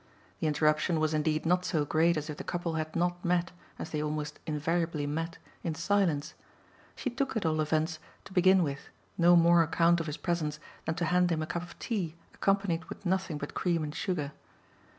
The interruption was indeed not so great as if the couple had not met, as they almost invariably met, in silence: she took at all events, to begin with, no more account of his presence than to hand him a cup of tea accompanied with nothing but cream and sugar.